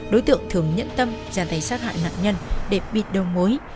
đối tượng thường nhẫn tâm dàn tay sát hại nạn nhân để bị đổ mối